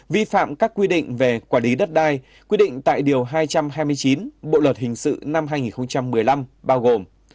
vi phạm các quy định về quản lý đất đai quy định tại điều hai trăm hai mươi chín bộ luật hình sự năm hai nghìn một mươi năm bao gồm